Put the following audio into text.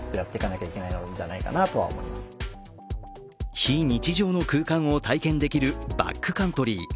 非日常の空間を体験できるバックカントリー。